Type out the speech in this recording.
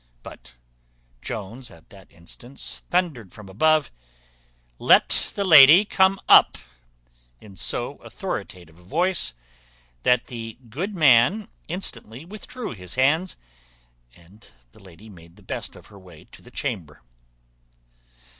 But Jones at that instant thundered from above, "Let the lady come up," in so authoritative a voice, that the good man instantly withdrew his hands, and the lady made the best of her way to the chamber.